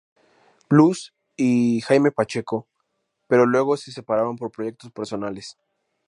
Blues y Jaime Pacheco; pero luego se separaron por proyectos personales.